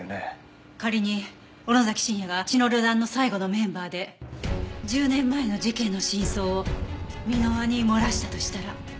仮に尾野崎慎也が血の旅団の最後のメンバーで１０年前の事件の真相を箕輪に漏らしたとしたら。